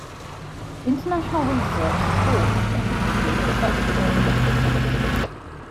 International research supports the efficacy of such warning messages.